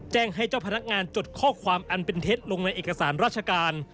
แจ้งให้เจ้าพนักงานจดข้อความอันเป็นเท็จลงในเอกสารราชการ